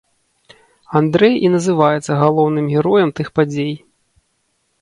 Андрэй і называецца галоўным героем тых падзей.